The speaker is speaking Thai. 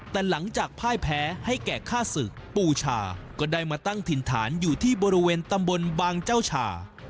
แต่หลังจากพ่ายแพ้ให้แก่ฆ่าศึกปูชาก็ได้มาตั้งถิ่นฐานอยู่ที่บริเวณตำบลบางเจ้าชา